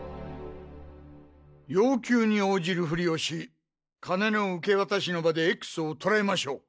要求に応じるフリをし金の受け渡しの場でＸを捕らえましょう。